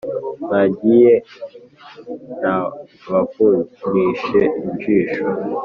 Mwagiye nabavunije ishinjo